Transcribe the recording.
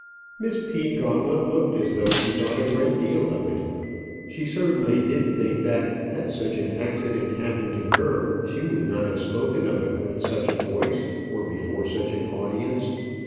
Miss P. Gauntlet looked as though she thought a great deal of it. She certainly did think that had such an accident happened to her, she would not have spoken of it with such a voice, or before such an audience.